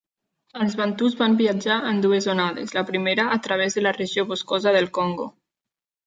Els bantús van viatjar en dues onades, la primera a través de la regió boscosa del Congo.